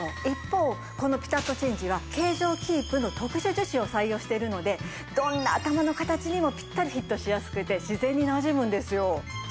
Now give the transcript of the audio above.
一方このピタットチェンジは形状キープの特殊樹脂を採用しているのでどんな頭の形にもピッタリフィットしやすくて自然になじむんですよ。